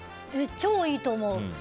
超いいと思う！